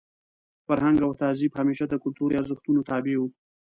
فرهنګ او تهذیب همېشه د کلتوري ارزښتونو تابع وو.